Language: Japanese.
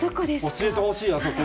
教えてほしいな、そこ。